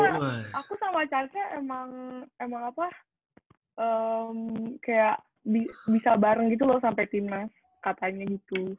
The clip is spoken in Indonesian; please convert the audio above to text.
karena aku sama caca emang emang apa kayak bisa bareng gitu loh sampai timnas katanya gitu